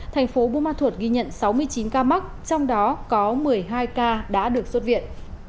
tp bumathur ghi nhận sáu mươi chín ca mắc trong đó có một mươi hai ca đã được xuất viện